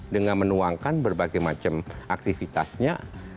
dengan menuangkan berbagai macam aktivitasnya